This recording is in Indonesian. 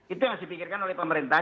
itu yang harus dipikirkan oleh pemerintah